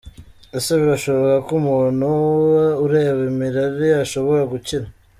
Ese birashoboka ko umuntu ureba imirari ashobora gukira?.